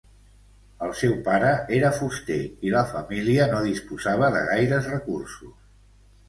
El seu pare era fuster i la família no disposava de gaires recursos.